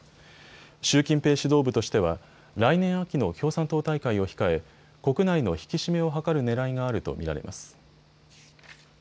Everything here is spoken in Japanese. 習近平指導部としては来年秋の共産党大会を控え国内の引き締めを図るねらいがあると見られます。